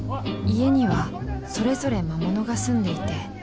家にはそれぞれ魔物が住んでいて。